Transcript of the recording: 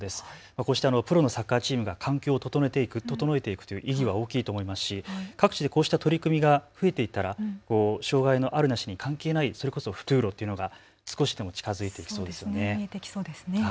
こうしてプロのサッカーチームが環境を整えていくという意義は大きいと思いますし各地でこうした取り組みが増えていったら障害のあるなしに関係ない、フトゥーロというのが少しでも近づいていきそうですね。